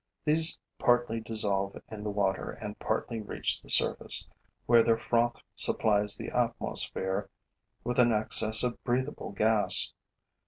These partly dissolve in the water and partly reach the surface, where their froth supplies the atmosphere with an excess of breathable gas.